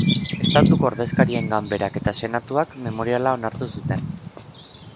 Estatuko Ordezkarien Ganberak eta Senatuak memoriala onartu zuten.